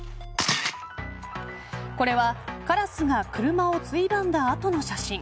これはカラスが車をついばんだ後の写真。